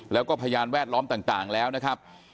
แล้วก็พยานแวดล้อมต่างแล้วนะครับ